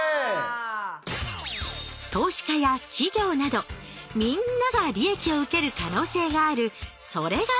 投資家や企業などみんなが利益を受ける可能性があるそれが投資。